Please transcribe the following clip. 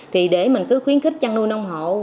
thì để mình cứ khuyến khích chăn nuôi nông hộ